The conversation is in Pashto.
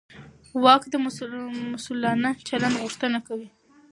واک د مسوولانه چلند غوښتنه کوي.